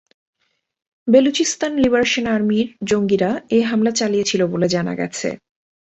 Balochistan liberation আর্মির জঙ্গিরা এ হামলা চালিয়েছিল বলে জানা গেছে।